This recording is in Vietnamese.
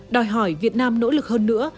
đòi hỏi việt nam nỗ lực hơn nữa